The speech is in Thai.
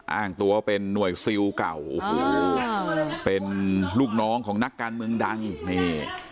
อ้างตัวเป็นหน่วยซิลเก่าโอ้โหเป็นลูกน้องของนักการเมืองดังนี่